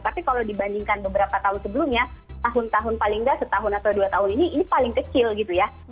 tapi kalau dibandingkan beberapa tahun sebelumnya tahun tahun paling nggak setahun atau dua tahun ini ini paling kecil gitu ya